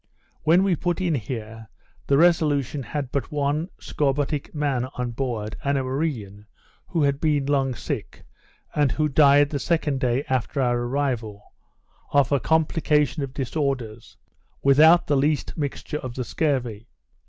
When we put in here, the Resolution had but one scorbutic man on board, and a marine, who had been long sick, and who died the second day after our arrival, of a complication of disorders, without the least mixture of the scurvy.